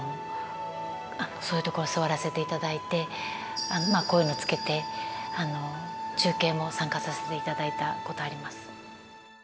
そういうところ座らせていただいてこういうのつけて中継も参加させていただいたことあります。